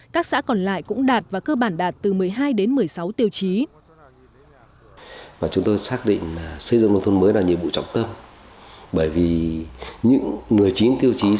các xã còn lại cũng đạt và cơ bản đạt từ một mươi hai đến một mươi sáu tiêu chí